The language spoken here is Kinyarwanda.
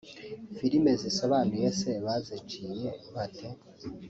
“Filime zisobanuye se baziciye bate